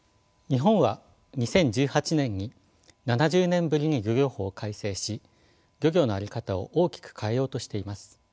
日本は２０１８年に７０年ぶりに漁業法を改正し漁業の在り方を大きく変えようとしています。